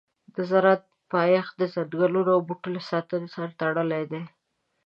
د زراعت پایښت د ځنګلونو او بوټو له ساتنې سره تړلی دی.